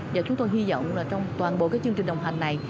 và chúng tôi hy vọng là trong toàn bộ cái chương trình đồng hành này